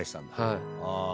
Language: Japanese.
はい。